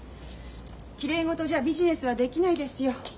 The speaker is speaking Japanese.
きれいごとじゃビジネスはできないですよ。